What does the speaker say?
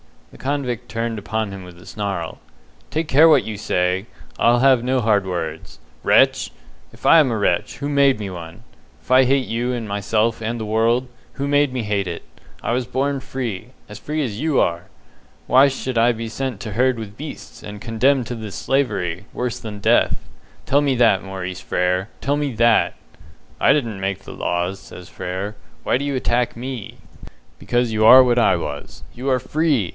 The convict turned upon him with a snarl. "Take care what you say! I'll have no hard words. Wretch! If I am a wretch, who made me one? If I hate you and myself and the world, who made me hate it? I was born free as free as you are. Why should I be sent to herd with beasts, and condemned to this slavery, worse than death? Tell me that, Maurice Frere tell me that!" "I didn't make the laws," says Frere, "why do you attack me?" "Because you are what I was. You are FREE!